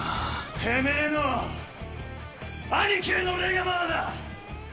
てめえのアニキへの礼がまだだ！